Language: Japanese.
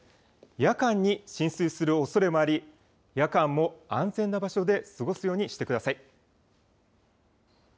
夜間に浸水するおそれもあり夜間も安全な場所で過ごすようにしてください。